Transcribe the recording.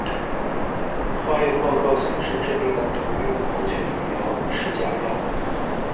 化验报告显示这名男童用狂犬疫苗是假药。